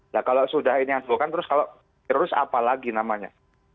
nah kalau sudah ini yang bukan terus kalau virus apa lagi namanya